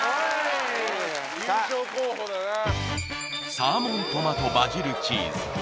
サーモントマトバジルチーズ。